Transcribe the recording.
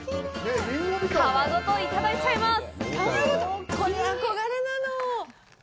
皮ごといただいちゃいます！